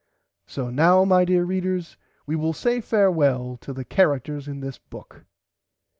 So now my readers we will say farewell to the characters in this book.